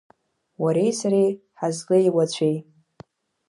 Уареи сареи ҳазлеиуацәеи?